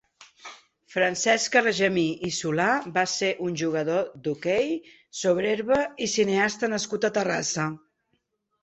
Francesc Argemí i Solà va ser un jugador d'hoquei sobre herba i cineasta nascut a Terrassa.